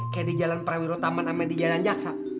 kayak di jalan prawiro taman sama di jalan jaksa